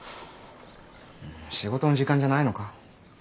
仕事の時間じゃないのか。